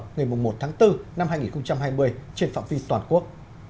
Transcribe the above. ngày một tháng bốn năm hai nghìn hai mươi trên phạm vi toàn quốc